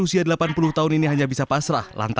ini ini alatnya